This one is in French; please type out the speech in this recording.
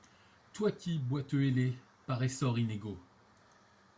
Toi qui, boiteux, ailé, par essors inégaux